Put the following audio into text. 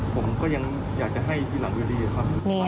ผมก็ยังอยากจะให้ทีหลังอยู่ดีครับ